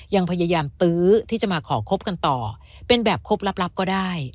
ยังพยายามตื้อที่จะมาขอคบกันต่อเป็นแบบครบลับก็ได้